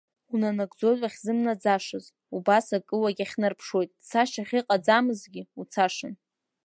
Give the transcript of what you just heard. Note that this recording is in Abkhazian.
Унанагӡоит уахьзымнаӡашаз, убас акы уагьахьнарԥшуеит, цашьа ахьыҟаӡамгьы уцашан…